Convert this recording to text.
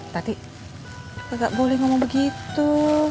tati enggak boleh ngomong begitu